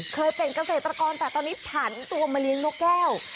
เคยเป็นเกษตรกรแต่ตอนนี้ผันตัวมาเลี้ยงนกแก้ว